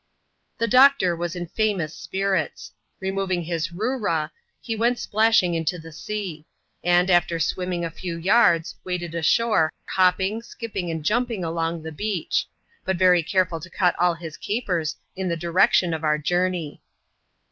The doctor was in famous spirits ; removing his Boora, he went splashing into the sea ; and, after swimming a few yards^ waded ashore, hopping, skipping, and jiunping along the beach ; but very careful to cut all his capers in the direction of our journey.